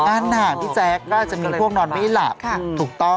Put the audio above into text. งานหนักพี่แจ๊กก็จะมีพวกนอนไม่หลับถูกต้อง